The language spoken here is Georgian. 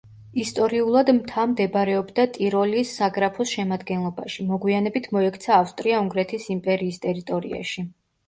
ისტორიულად მთა მდებარეობდა ტიროლის საგრაფოს შემადგენლობაში, მოგვიანებით მოექცა ავსტრია-უნგრეთის იმპერიის ტერიტორიაში.